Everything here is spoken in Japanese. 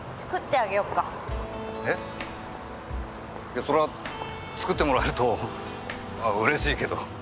いやそれは作ってもらえるとうれしいけど。